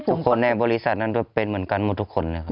ทุกคนในบริษัทนั้นก็เป็นเหมือนกันหมดทุกคนนะครับ